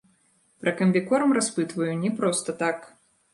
Пра камбікорм распытваю не проста так.